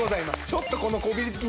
ちょっとこのこびりつき